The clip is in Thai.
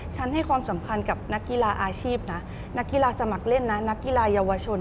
ให้ความสำคัญกับนักกีฬาอาชีพนะนักกีฬาสมัครเล่นนะนักกีฬาเยาวชน